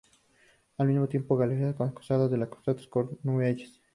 Al mismo tiempo galeras acosaban la costa de Cornualles.